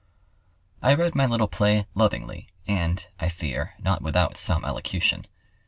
I read my little play lovingly, and, I fear, not without some elocution.